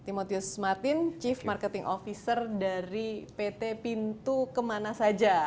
timotius martin chief marketing officer dari pt pintu kemana saja